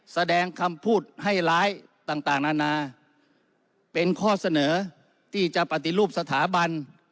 แสดงคำพูดให้ร้ายต่างนานาเป็นข้อเสนอที่จะปฏิรูปสถาบัน